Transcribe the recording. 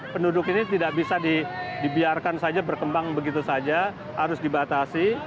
penduduk ini tidak bisa dibiarkan saja berkembang begitu saja harus dibatasi